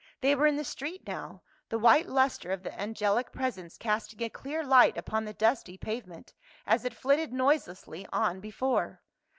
They were in the street now, the white lustre of the angelic presence casting a clear light upon the dusty pave ment as it flitted noiselessly on before.